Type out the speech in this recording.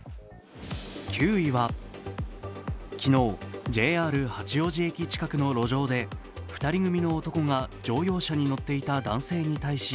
９位は、昨日、ＪＲ八王子駅近くの路上で２人組の男が乗用車に乗っていた男性に対し、